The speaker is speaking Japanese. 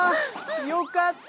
よかった。